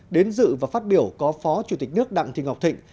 đến dự và phát biểu có phó chủ tịch nước đặng thị ngọc thịnh